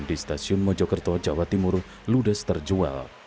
di stasiun mojokerto jawa timur ludes terjual